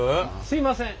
すいません。